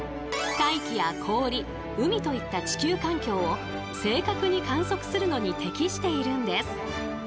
大気や氷海といった地球環境を正確に観測するのに適しているんです。